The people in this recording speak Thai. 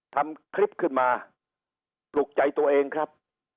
ทำคลิปขึ้นมาปลุกใจตัวเองครับ